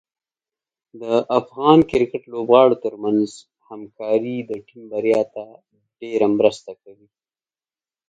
د افغان کرکټ لوبغاړو ترمنځ همکاري د ټیم بریا ته ډېره مرسته کوي.